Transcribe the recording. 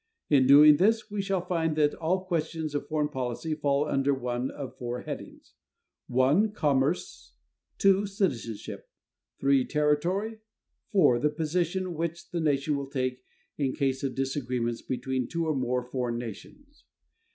In doing this we shall find that all questions of foreign policy fall under one of four headings: (1) commerce, (2) citizenship, (3) territory, (4) the position which the nation will take in case of disagreements between two or more foreign nations.